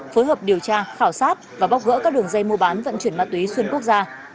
phối hợp điều tra khảo sát và bóc gỡ các đường dây mua bán vận chuyển ma túy xuyên quốc gia